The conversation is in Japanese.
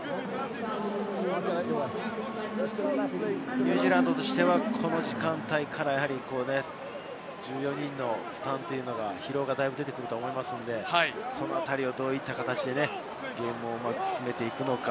ニュージーランドとしては、この時間帯から１４人の疲労がだいぶ出てくると思いますので、そのあたりをどういった形でゲームを進めていくのか。